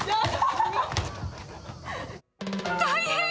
大変！